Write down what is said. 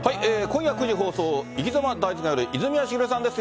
今夜９時放送、いきざま大図鑑より、泉谷しげるさんです。